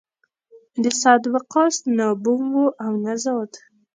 د سعد وقاص نه بوم و او نه زاد.